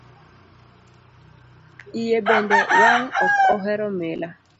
Iye bende wang' ok ohero mila.